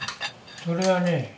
それはね